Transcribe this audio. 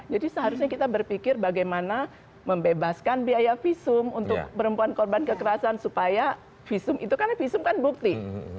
jadi seharusnya kita berpikir bagaimana membebaskan biaya visum untuk perempuan korban kekerasan supaya visum itu karena visum kan bukti